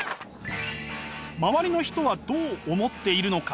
周りの人はどう思っているのか？